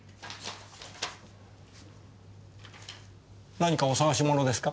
何かお探し物ですか？